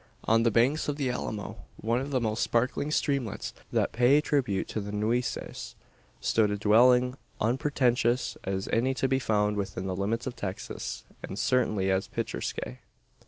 On the banks of the Alamo one of the most sparkling streamlets that pay tribute to the Nueces stood a dwelling, unpretentious as any to be found within the limits of Texas, and certainly as picturesque.